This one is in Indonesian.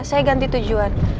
saya ganti tujuan